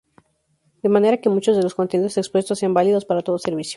De manera que muchos de los contenidos expuestos sean válidos para todo servicio.